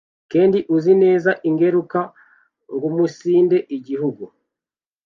kendi uzi neze ingeruke guumunsinde Igihugu: